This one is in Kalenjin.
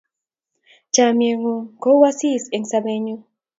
chamiet ng'un ko u asis eng' sabet nyun